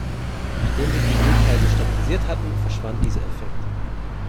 Nachdem sich die Ölpreise stabilisiert hatten, verschwand dieser Effekt.